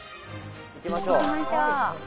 「行きましょう」